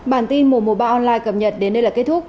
bản tin mùa mùa ba online cập nhật đến đây là kết thúc